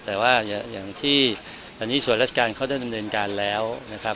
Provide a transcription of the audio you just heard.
แต่ว่าอย่างที่อันนี้ส่วนราชการเขาได้ดำเนินการแล้วนะครับ